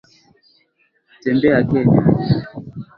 Tembea Kenya.